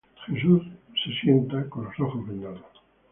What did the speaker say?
Jesús de Nazaret se sienta, con los ojos vendados.